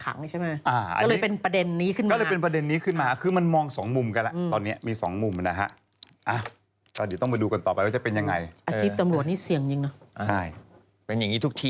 อาชีพตำรวจนี้เสี่ยงจริงเลย